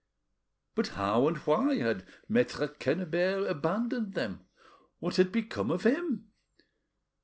But how and why had Maitre Quennebert abandoned them? What had become of him?